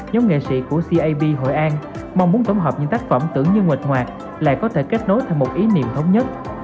nhóm nghệ sĩ của cab hội an mong muốn tổng hợp những tác phẩm tưởng như ngạt hoạt lại có thể kết nối thành một ý niệm thống nhất